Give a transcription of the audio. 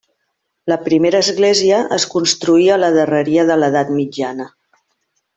La primera església es construí a la darreria de l'edat mitjana.